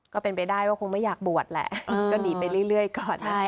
ก็เป็นไปได้ว่าคงไม่อยากบวชแหละก็หนีไปเรื่อยก่อน